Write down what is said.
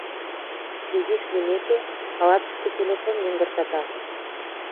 Изиш лиймеке, палаткыште телефон йыҥгыртата.